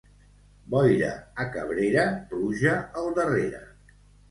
Boira a Cabrera, pluja al darrere.